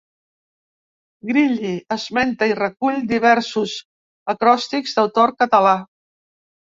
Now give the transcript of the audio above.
Grilli esmenta i recull diversos acròstics d'autor català.